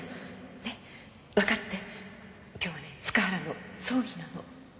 ねっわかって今日はね塚原の葬儀なの。